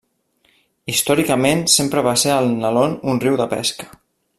Històricament sempre va ser el Nalón un riu de pesca.